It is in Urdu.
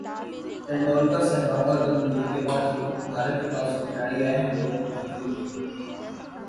ٹنڈولکر ، سہواگ اور گمبھیر کے بعد بھارت کے پاس جو کھلاڑی آئے ہیں وہ بہترین ہیں